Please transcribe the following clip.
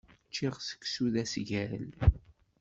Ččiɣ seksu d asgal.